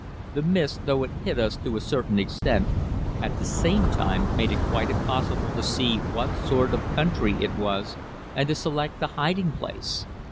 The mist, though it hid us to a certain extent, at the same time made it quite impossible to see what sort of country it was and to select a hiding place.